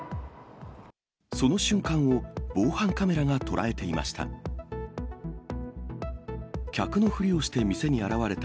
その瞬間を防犯カメラが捉えていました。